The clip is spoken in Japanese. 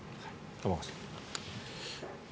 玉川さん。